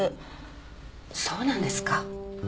そうなんですか？